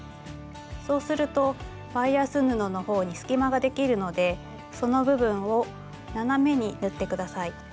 そうするとバイアス布の方に隙間ができるのでその部分を斜めに縫って下さい。